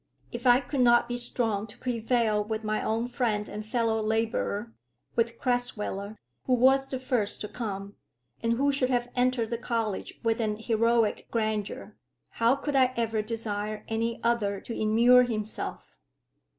If I could not be strong to prevail with my own friend and fellow labourer, with Crasweller, who was the first to come, and who should have entered the college with an heroic grandeur, how could I even desire any other to immure himself?